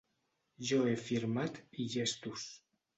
Jo he firmat i llestos.